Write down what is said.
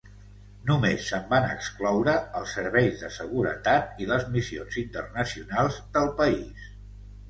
Només se'n van excloure els serveis de seguretat i les missions internacionals del país.